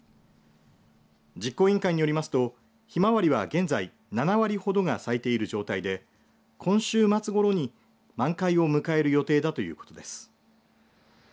実行委員会によりますとヒマワリは現在７割ほどが咲いている状態で今週末ごろに満開を迎える予定だということです。